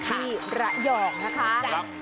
ที่ระหย่อนนะคะ